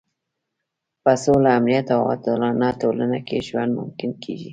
په سوله، امنیت او عادلانه ټولنه کې ژوند ممکن کېږي.